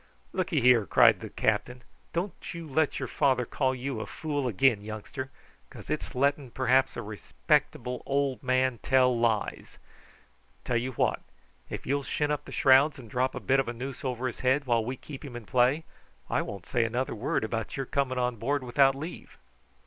"Look'ye here," cried the captain, "don't you let your father call you fool again, youngster, because it's letting perhaps a respectable old man tell lies. Tell you what, if you'll shin up the shrouds, and drop a bit of a noose over his head while we keep him in play, I won't say another word about your coming on board without leave."